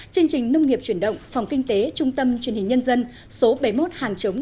chương trình nông nghiệp chuyển động phòng kinh tế trung tâm truyền hình nhân dân số bảy mươi một hàng chống